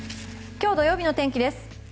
今日土曜日の天気です。